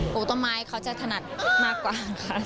ปลูกต้นไม้เขาจะถนัดมากกว่าค่ะ